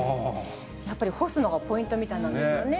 やっぱり干すのがポイントみたいなんですよね。